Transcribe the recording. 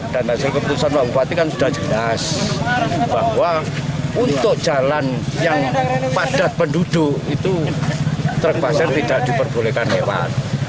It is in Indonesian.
dan hasil keputusan pak bupati kan sudah jelas bahwa untuk jalan yang padat penduduk itu truk pasir tidak diperbolehkan lewat